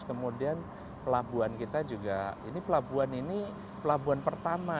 kemudian pelabuhan kita juga ini pelabuhan ini pelabuhan pertama